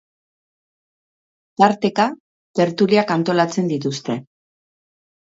Tarteka tertuliak antolatzen dituzte.